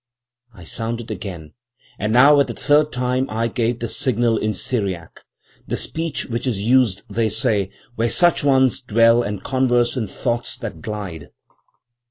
I sounded again, and now at the third time I gave the signal in Syriac,—the speech which is used, they say, where such ones dwell and converse in thoughts that glide.